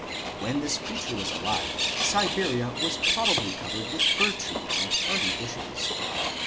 When this creature was alive, Siberia was probably covered with fir trees and hardy bushes.